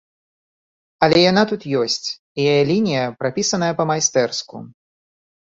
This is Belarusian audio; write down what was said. Але яна тут ёсць, і яе лінія прапісаная па-майстэрску.